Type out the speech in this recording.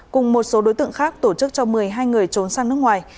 cùng một số đối tượng khác tổ chức cho một mươi hai người trốn sang nước ngoài